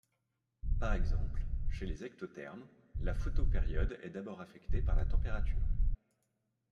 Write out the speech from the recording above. Par exemple, chez les ectothermes la photopériode est d’abord affectée par la température.